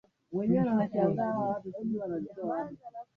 la familia ya watawala yaani la mtu aliyeianzisha Chifu Ibn Saud wa Riyad